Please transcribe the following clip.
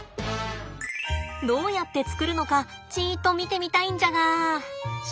どうやって作るのかちぃと見てみたいんじゃが。